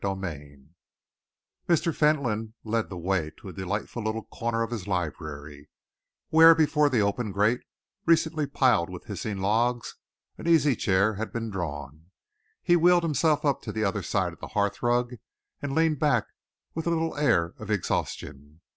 CHAPTER XV Mr. Fentolin led the way to a delightful little corner of his library, where before the open grate, recently piled with hissing logs, an easy chair had been drawn. He wheeled himself up to the other side of the hearthrug and leaned back with a little air of exhaustion.